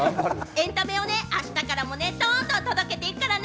エンタメを明日からもどんどん届けていくからね！